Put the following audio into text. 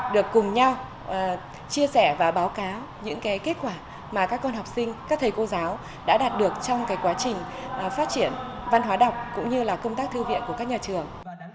được cùng nhau chia sẻ và báo cáo những kết quả mà các con học sinh các thầy cô giáo đã đạt được trong quá trình phát triển văn hóa đọc cũng như là công tác thư viện của các nhà trường